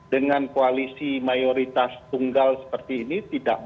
dengan koalisi mayoritas tunggal seperti ini